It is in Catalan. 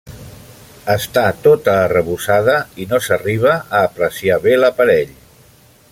Està tota arrebossada, i no s'arriba a apreciar bé l'aparell.